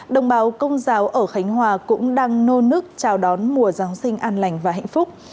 đồng bào công giáo ở khánh hòa cũng đang nô nức chào đón mùa giáng sinh an lành và hạnh phúc